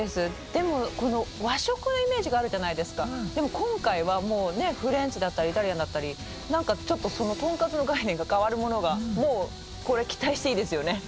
でも和食のイメージがあるじゃないですかでも今回はもうねフレンチだったりイタリアンだったりなんかちょっととんかつの概念が変わるものがもうこれ期待していいですよね